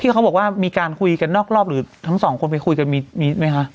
เขาบอกว่ามีการคุยกันนอกรอบหรือทั้งสองคนไปคุยกันมีไหมคะ